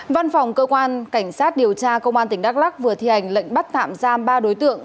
văn phòng cơ quan cảnh sát điều tra công an tỉnh đắk lắc vừa thi hành lệnh bắt tạm giam ba đối tượng